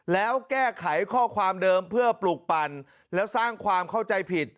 แล้วแก้ไขข้อความเดิมเพื่อปลูกปั่นแล้วสร้างความเข้าใจผิด